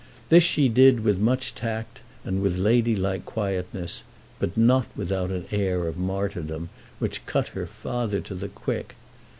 This she did with much tact and with lady like quietness, but not without an air of martyrdom, which cut her father to the quick.